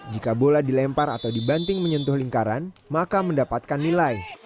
jika bola dilempar atau dibanting menyentuh lingkaran maka mendapatkan nilai